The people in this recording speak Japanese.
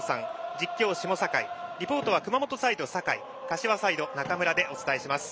実況は下境リポートは熊本サイド、酒井柏サイド、中村でお伝えします。